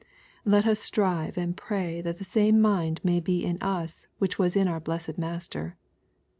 Let us strive and pray that the same mind may be in us which was in our blessed Master.